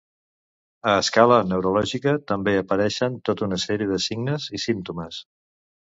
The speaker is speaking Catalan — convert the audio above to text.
A escala neurològica també apareixen tota una sèrie de signes i símptomes.